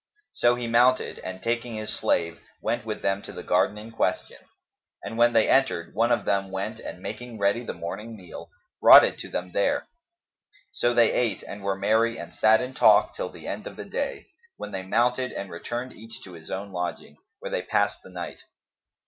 So he mounted and taking his slave, went with them to the garden in question; and when they entered one of them went and making ready the morning meal, brought it to them there. So they ate and were merry and sat in talk, till the end of the day, when they mounted and returned each to his own lodging, where they passed the night.